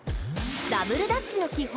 ダブルダッチの基本。